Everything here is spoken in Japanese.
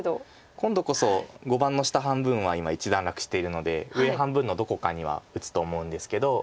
今度こそ碁盤の下半分は今一段落しているので上半分のどこかには打つと思うんですけど。